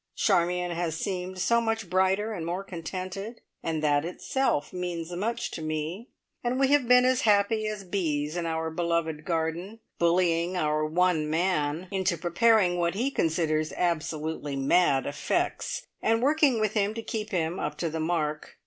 Charmion has seemed so much brighter and more contented, and that itself means much to me, and we have been as happy as bees in our beloved garden, bullying our one man into preparing what he considers absolutely mad effects, and working with him to keep him up to the mark.